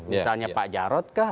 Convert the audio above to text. misalnya pak jarod kah